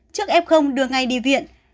trước f đưa ngay đi viện